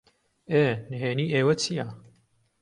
ئێ، نھێنیی ئێوە چییە؟